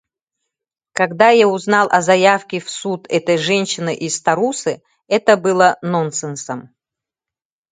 Когда я узнал о заявке в суд этой женщины из Тарусы, это было нонсенсом.